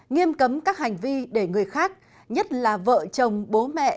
nghiêm cấm các hành vi để người khác nhất là vợ chồng bố mẹ